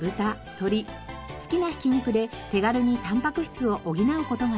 鶏好きなひき肉で手軽にタンパク質を補う事ができます。